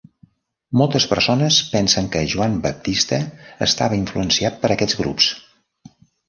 Moltes persones pensen que Joan Baptista estava influenciat per aquests grups.